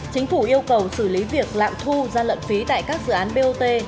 chính phủ yêu cầu xử lý việc lạm thu gia lận phí tại các dự án bot